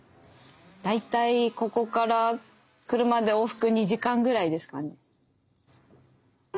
大体ここから車で往復２時間ぐらいですかね。